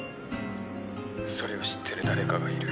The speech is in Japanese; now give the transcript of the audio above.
「それを知ってる誰かがいる」